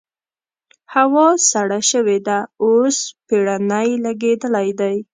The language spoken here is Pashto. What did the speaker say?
هوا سړه شوې ده؛ اوس پېړنی لګېدلی دی.